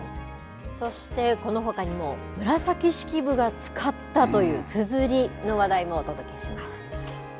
そして、このほかにも紫式部が使ったというすずりの話題もお届けします。